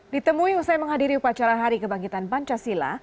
ditemui usai menghadiri upacara hari kebangkitan pancasila